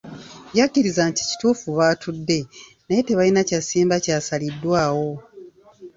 Yakkiriza nti kituufu baatudde naye tebalina kya ssimba kyasaliddwawo.